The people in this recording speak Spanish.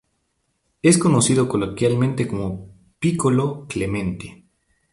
Es conocido coloquialmente como "Piccolo Clemente".